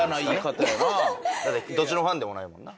だってどっちのファンでもないもんな？